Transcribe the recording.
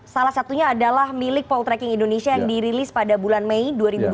salah satunya adalah milik poltreking indonesia yang dirilis pada bulan mei dua ribu dua puluh